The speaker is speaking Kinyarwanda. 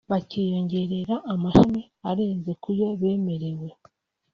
bakiyongerera amashami arenze kuyo bemerewe